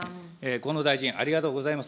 河野大臣、ありがとうございます。